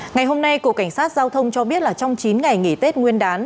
ngày hôm nay cục cảnh sát giao thông cho biết là trong chín ngày nghỉ tết nguyên đán